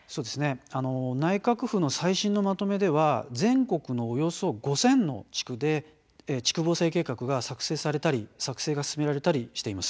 内閣府の最新のまとめでは全国のおよそ５０００の地区で地区防災計画が作成されたり作成が進められたりしています。